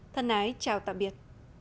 thân ái chào tạm biệt